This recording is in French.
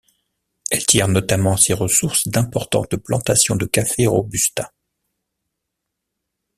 Elle tire notamment ses ressources d'importantes plantations de café robusta.